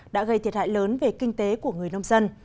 đã gây thiệt hại lớn về kinh tế của người nông dân